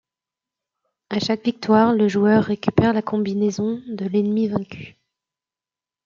À chaque victoire, le joueur récupère la combinaison de l'ennemi vaincu.